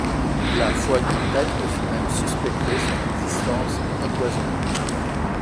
La foi du prêtre fut même suspectée, son existence empoisonnée.